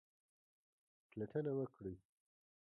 پلټنه وکړئ